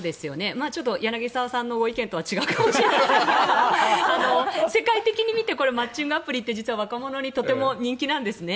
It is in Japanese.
柳澤さんのご意見とは違うかもしれませんが世界的に見てこれマッチングアプリって実は、若者にとても人気なんですね。